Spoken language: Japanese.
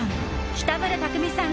北村匠海さん